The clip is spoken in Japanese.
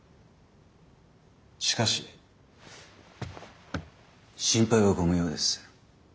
しかし心配はご無用です。